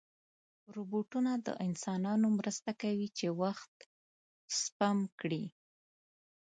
روبوټونه د انسانانو مرسته کوي چې وخت سپم کړي.